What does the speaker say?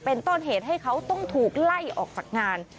เป็นต้นเหตุให้เขาต้องถูกไล่ออกจากงาน